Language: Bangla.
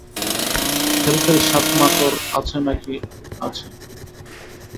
ফ্যাল ফ্যাল-সাপ-মাকড় আছে না কি আছে।